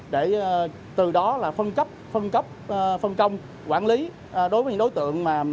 để từ đó là phân cấp phân công quản lý đối với những đối tượng